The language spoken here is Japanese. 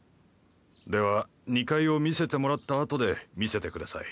では２階を見せてもらったあとで見せてください。